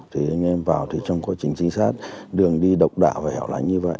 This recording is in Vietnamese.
thì anh em vào thì trong quá trình trinh sát đường đi độc đạo và hẻo lánh như vậy